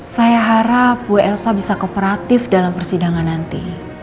saya harap bu elsa bisa kooperatif dalam persidangan nanti